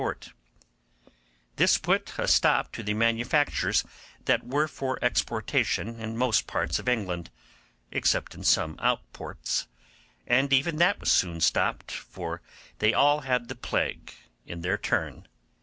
This put a stop to the manufactures that were for exportation in most parts of England, except in some out ports; and even that was soon stopped, for they all had the plague in their turn.